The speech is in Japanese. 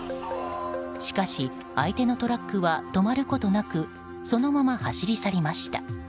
しかし、相手のトラックは止まることなくそのまま走り去りました。